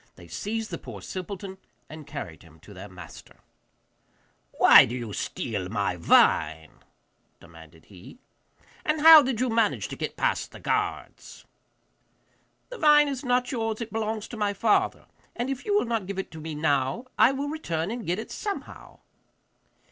They seized the poor simpleton and carried him to their master. 'Why do you try to steal my vine?' demanded he; 'and how did you manage to get past the guards?' 'The vine is not yours; it belongs to my father, and if you will not give it to me now, I will return and get it somehow.